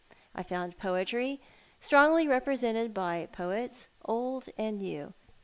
I found poetry strongly represented by poets old and new.